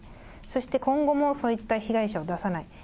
そして、今後もそういった被害者を出さない。